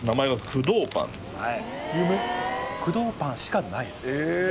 工藤パンしかないです。